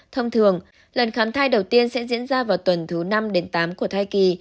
thông thường lần khám thai đầu tiên sẽ diễn ra vào tuần thứ năm đến tám của thai kỳ